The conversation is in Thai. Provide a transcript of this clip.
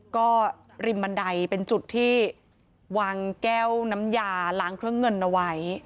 ก็ริมบันไดเป็นจุดที่วางแก้วน้ำยาล้างเครื่องเงินเอาไว้